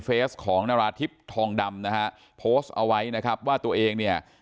ของนาราธิบทองดำนะฮะโพสต์เอาไว้นะครับว่าตัวเองเนี่ย